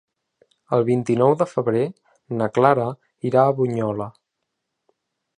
El vint-i-nou de febrer na Clara irà a Bunyola.